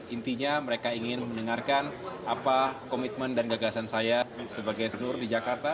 intinya mereka ingin mendengarkan apa komitmen dan gagasan saya sebagai senur di jakarta